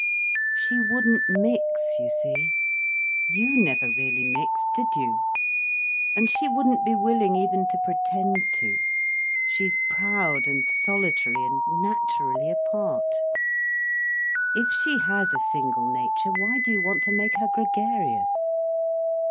"She wouldn't mix, you see. You never really mixed, did you? And she wouldn't be willing even to pretend to. She's proud, and solitary, and naturally apart. If she has a single nature, why do you want to make her gregarious?"